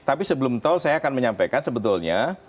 tapi sebelum tol saya akan menyampaikan sebetulnya